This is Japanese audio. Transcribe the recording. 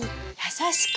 優しく？